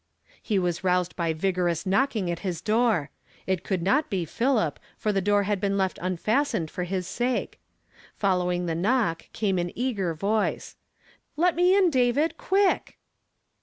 He was roused by vigorous knocking at his door; it could not be Philip for the door had been left unfastened for liis sake. Following the knock, came an eager voice :" Let me in, David, quick